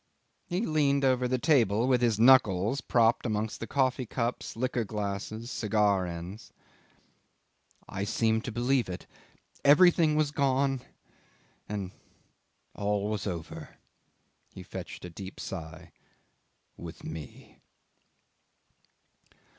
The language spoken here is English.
He leaned over the table with his knuckles propped amongst coffee cups, liqueur glasses, cigar ends. "I seemed to believe it. Everything was gone and all was over ..." he fetched a deep sigh ... "with me."